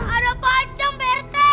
ada pocong berde